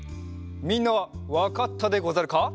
みんなはわかったでござるか？